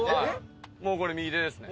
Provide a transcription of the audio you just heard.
もうこれ右手ですね」